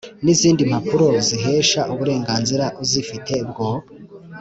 n izindi mpapuro zihesha uburenganzira uzifite bwo